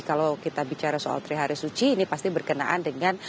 kalau kita bicara soal trihari suci ini pasti berkenaan dengan